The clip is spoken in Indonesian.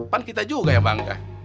pan kita juga yang bangga